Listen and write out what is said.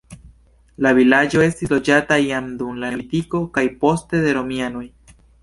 La vilaĝo estis loĝata jam dum la neolitiko kaj poste de romianoj.